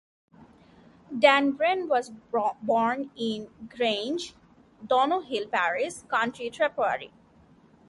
Dan Breen was born in Grange, Donohill parish, County Tipperary.